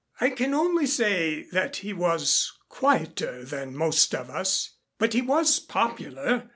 "I can only say that he was quieter than most of us. But he was popular.